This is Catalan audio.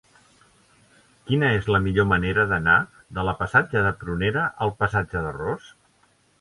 Quina és la millor manera d'anar de la passatge de Prunera al passatge de Ros?